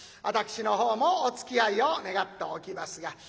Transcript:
私の方もおつきあいを願っておきますが。